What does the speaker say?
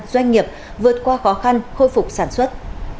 doanh nghiệp vượt qua khó khăn khôi phục sản xuất